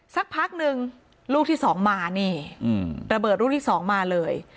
สักพักหนึ่งลูกที่สองมานี่ระเบิดลูกที่สองมาเลย